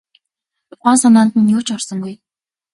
Ухаан санаанд нь юу ч орсонгүй.